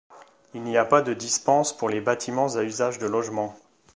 Il n'y a pas de dispense pour les bâtiments à usage de logement.